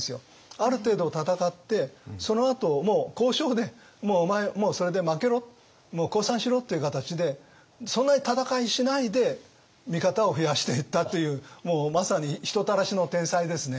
ある程度戦ってそのあともう交渉でもうお前それで負けろもう降参しろっていう形でそんなに戦いしないで味方を増やしていったというもうまさに人たらしの天才ですね。